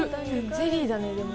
ゼリーだねでも。